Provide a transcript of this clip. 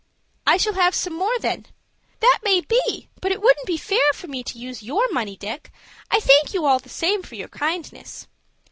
"I shall have some more then." "That may be; but it wouldn't be fair for me to use your money, Dick. I thank you all the same for your kindness."